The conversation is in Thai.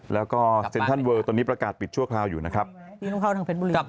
แล้วก็เซ็นทันเวิร์ดตรงนี้ประกาศปิดชั่วเคล้าอยู่นะครับปรกราบปิดชั่วคราวอยู่นะครับ